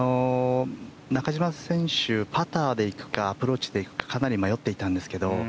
中島選手、パターでいくかアプローチでいくかかなり迷っていたんですが。